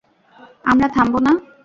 আমরা থামবো না!